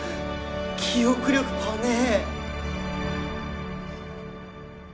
記憶力ぱねえ！